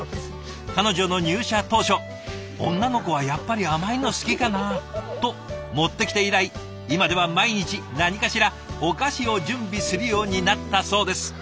彼女の入社当初「女の子はやっぱり甘いの好きかな」と持ってきて以来今では毎日何かしらお菓子を準備するようになったそうです。